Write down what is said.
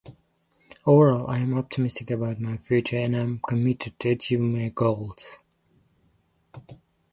Overall, I am optimistic about my future and am committed to achieving my goals.